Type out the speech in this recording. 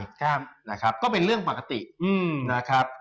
แล้วก็เป็นเรื่องปกตินะครับ